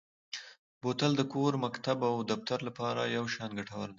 بوتل د کور، مکتب او دفتر لپاره یو شان ګټور دی.